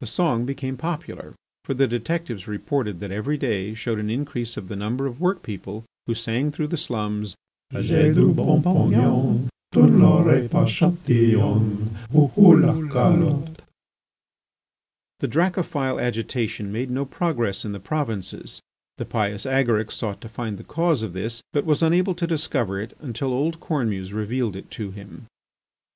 The song became popular, for the detectives reported that every day showed an increase of the number of workpeople who sang through the slums: J'ai du bon pognon; Tu n'l'auras pas Chatillon! Hou! Hou! la calotte! The Dracophil agitation made no progress in the provinces. The pious Agaric sought to find the cause of this, but was unable to discover it until old Cornemuse revealed it to him.